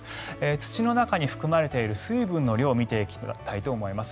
土の中に含まれている水分の量を見ていきたいと思います。